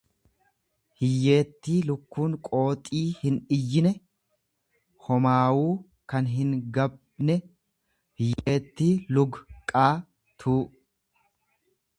hiyyeettii lukkuun qooxii hiniyyine, homaawuu kan hingabne; Hiyyeettii lugqaa tuu.